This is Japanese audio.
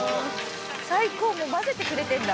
最高もう混ぜてくれてんだ。